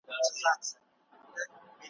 زړه می هر گړی ستا سترگي راته ستایي `